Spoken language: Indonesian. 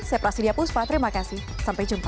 saya prasidya puspa terima kasih sampai jumpa